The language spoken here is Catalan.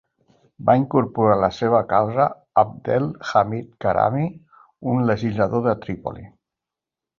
Va incorporar a la seva causa Abdel-Hamid Karami, un legislador de Trípoli.